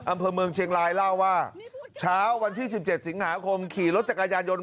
อำเภอเมืองเชียงรายเล่าว่าเช้าวันที่๑๗สิงหาคมขี่รถจักรยานยนต์